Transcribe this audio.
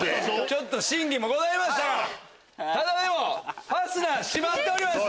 ちょっと審議もございましたがただでもファスナー閉まっております。